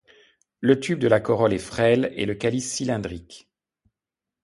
Le tube de la corolle est frêle et le calice cylindrique.